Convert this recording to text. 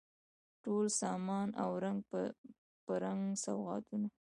ټول سامان او رنګ په رنګ سوغاتونه